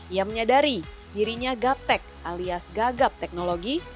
ia menyadari dirinya gaptek alias gagap teknologi